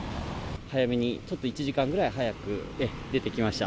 早めにちょっと１時間ぐらい早く出てきました。